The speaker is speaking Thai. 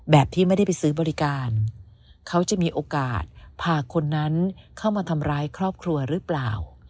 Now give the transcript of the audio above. ที่ไม่ได้ไปซื้อบริการเขาจะมีโอกาสพาคนนั้นเข้ามาทำร้ายครอบครัวหรือเปล่า